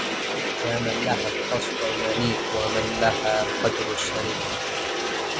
يا من لها القصر المنيف ومن لها القدر السني